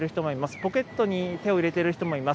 ポケットに手を入れている人もいます。